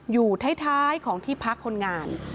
อยู่ท้ายของที่พักคนงาน